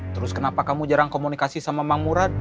terus kenapa kamu jarang komunikasi sama mang murad